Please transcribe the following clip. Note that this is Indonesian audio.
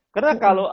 karena kalau anak itu